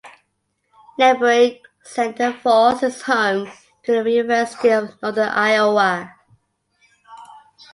Neighboring Cedar Falls is home to the University of Northern Iowa.